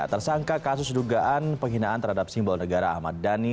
tersangka kasus dugaan penghinaan terhadap simbol negara ahmad dhani